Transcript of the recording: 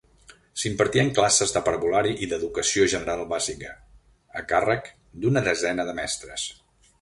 S'impartien classes de parvulari i d'educació general bàsica, a càrrec d'una desena de mestres.